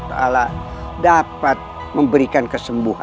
tidak akan daftar lalu bakalan merasa bahaya